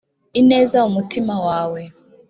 ineza mu mutima wawe.